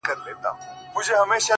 o جـنــگ له فريادي ســــره؛